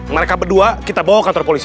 mereka berdua kita bawa ke kantor polisi